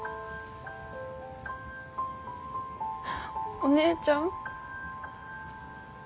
お姉ちゃん。